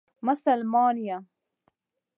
مسلمان یم.